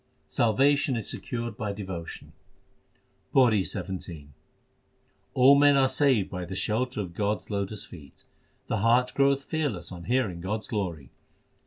Salvation is secured by devotion : PAURI XVII All men are saved by the shelter of God s lotus feet. The heart groweth fearless on hearing God s glory